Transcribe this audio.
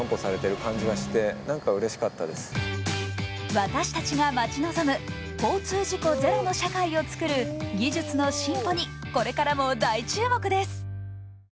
私たちが待ち望む交通事故ゼロの社会を作る技術の進歩にこれからも大注目です。